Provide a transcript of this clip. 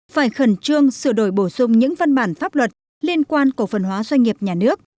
phải khẩn trương sửa đổi bổ sung những văn bản pháp luật liên quan cổ phần hóa doanh nghiệp nhà nước